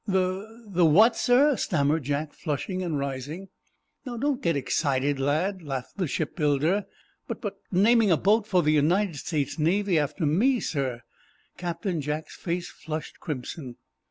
'" "The—the—what, sir?" stammered Jack, flushing and rising. "Now, don't get excited, lad," laughed the shipbuilder. "But—but—naming a boat for the United States Navy after me, sir—" Captain Jack's face flushed crimson.